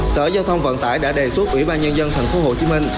sở giao thông vận tải đã đề xuất ủy ban nhân dân thành phố hồ chí minh